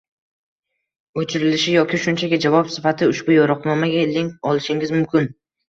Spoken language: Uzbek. o’chirilishi yoki shunchaki javob sifatida ushbu yo’riqnomaga link olishingiz mumkin